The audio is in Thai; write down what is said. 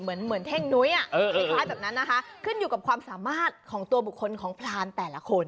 เหมือนเหมือนเท่งนุ้ยอ่ะเออคือความสามารถของตัวบุคคลของพรานแต่ละคน